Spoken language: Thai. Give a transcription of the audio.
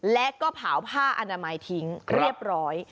และก็เผาผ้าอนามัยทิ้งเรียบร้อย